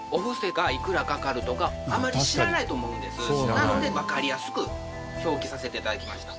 なのでわかりやすく表記させて頂きました。